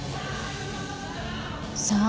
さあ。